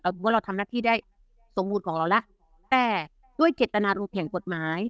ว่าเราทำหน้าที่ได้สมบูรณ์ของเราแล้วแต่ด้วยเจตนารมณ์แห่งกฎหมาย